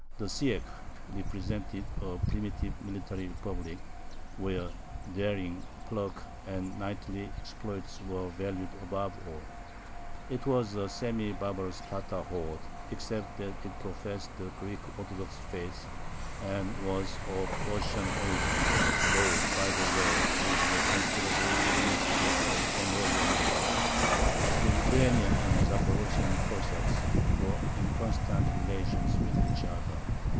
The syech represented a primitive military republic, where daring, pluck, and knightly exploits were valued above all. It was a semi barbarous Tatar horde, except that it professed the Greek Orthodox faith, and was of Russian origin, though, by the way, with a considerable admixture of Mongolian blood. The Ukrainian and Zaporozhian Cossacks were in constant relations with each other.